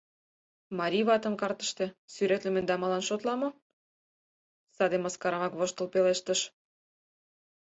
— Марий ватым картыште сӱретлыме дамалан шотла мо? — саде мыскарамак воштыл пелештыш.